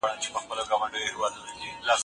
که اسانتیاوې نه وي پانګوال نه راځي.